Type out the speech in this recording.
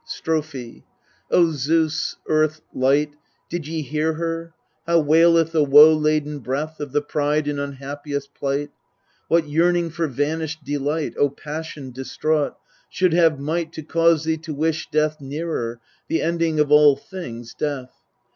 Strophe O Zeus, Earth, Light, did ye hear her, How waileth the woe laden breath Of the bride in unhappiest plight? What yearning for vanished delight, O passion distraught, should have might To cause thee to wish death nearer The ending of all things, death